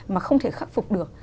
mà không thể khắc phục được